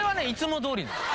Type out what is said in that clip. いつもどおりや。